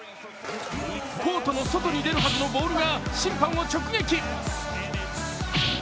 コートの外に出るはずのボールが審判を直撃。